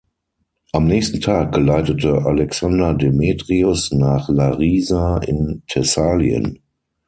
Am nächsten Tag geleitete Alexander Demetrios nach Larisa in Thessalien.